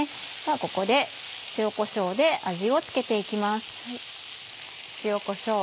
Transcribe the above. ここで塩こしょうで味を付けて行きます。